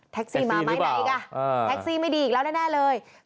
แท็กซี่มาไหมไหนอีกล่ะแท็กซี่ไม่ดีอีกแล้วแน่เลยอืม